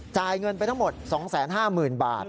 จ่ายเงินไปทั้งหมด๒๕๐๐๐บาท